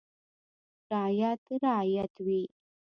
• رعیت رعیت وي.